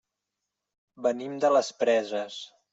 Venim de les Preses.